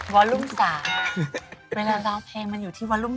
เวลารักเพลงมันอยู่ที่วัลลุ่ม๓